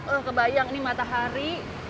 oh kebayang ini matahari